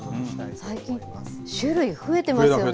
最近、種類増えてますよね。